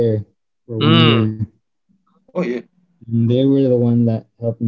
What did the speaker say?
mereka adalah yang membantu saya untuk masuk ke uph